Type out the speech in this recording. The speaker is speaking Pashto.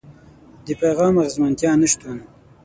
د پيغام د اغېزمنتيا نشتون.